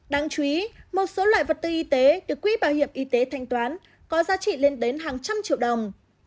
đáng chú ý một số loại vật tư y tế được quỹ bảo hiểm y tế thanh toán có giá trị lên đến hàng trăm triệu đồng